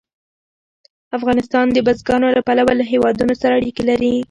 افغانستان د بزګانو له پلوه له هېوادونو سره اړیکې لري.